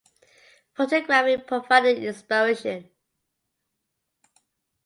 Photography provided inspiration.